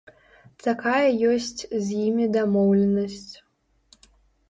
Такая ёсць з імі дамоўленасць.